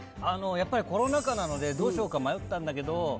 やっぱりコロナ禍なのでどうしようか迷ったんだけど。